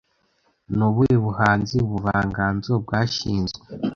Ni ubuhe buhanzi / ubuvanganzo bwashinzwe